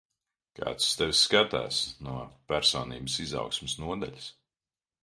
Kāds uz tevi skatās no personības izaugsmes nodaļas.